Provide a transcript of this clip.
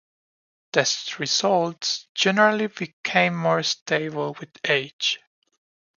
Test results generally became more stable with age.